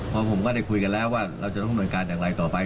พอผมก็ได้คุยกันแล้วว่าเราจะต้องหน่วยการอย่างไรต่อไป